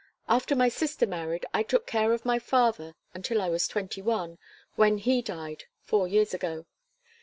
After my sister married I took care of my father until I was twenty one, when he died four years ago.